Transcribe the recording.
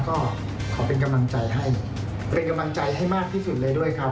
ก็ขอเป็นกำลังใจให้เป็นกำลังใจให้มากที่สุดเลยด้วยครับ